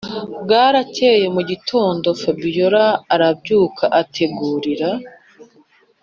bwarakeye mugitondo fabiora arabyuka ategurira